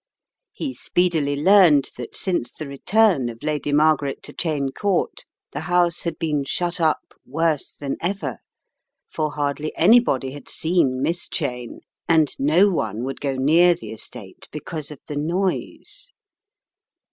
He speedily learned that since the return of Lady Margaret to Cheyne Court the house had been shut up "worse than ever," for hardly any body had seen Miss Cheyne, and no one would go near the estate because of the noise.